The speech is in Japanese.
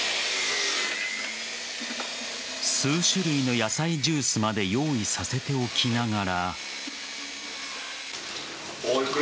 数種類の野菜ジュースまで用意させておきながら。